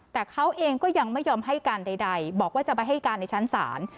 แต่เขาเองก็ยังไม่ยอมให้การใดบอกว่าจะไปให้การในชั้นศาล